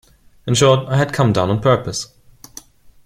In short, I had come down on purpose.